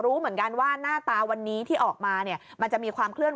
รู้เหมือนกันว่าหน้าตาวันนี้ที่ออกมาเนี่ยมันจะมีความเคลื่อ